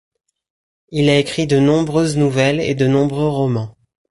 Il a écrit de nombreuses nouvelles et de nombreux romans.